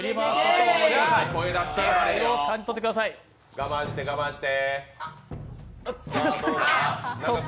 我慢して、我慢して。